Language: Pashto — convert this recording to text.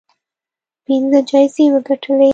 پنځه جایزې وګټلې